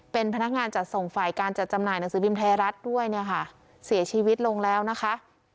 เป็นพนักงานจัดส่งฝ่ายการจัดจำหน่ายหนังสือพิมพ์ไทยรัฐด้วยเนี่ยค่ะเสียชีวิตลงแล้วนะคะ